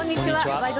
「ワイド！